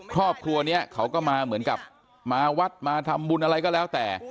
ครอบครัวนี้เขาก็มาเหมือนกับมาวัดมาทำบุญอะไรก็แล้วแต่